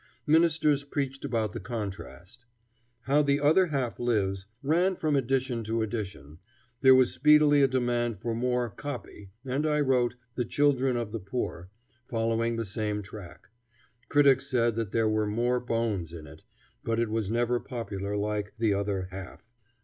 Ministers preached about the contrast." How the Other Half Lives "ran from edition to edition. There was speedily a demand for more "copy," and I wrote "The Children of the Poor," following the same track. Critics said there were more "bones" in it, but it was never popular like the "Other Half."